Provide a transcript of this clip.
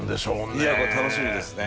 いやこれ楽しみですね。